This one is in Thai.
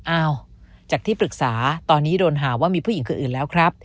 อ้าวจากที่ปรึกษาตอนนี้โดนหาว่ามีผู้หญิงคนอื่นแล้วครับ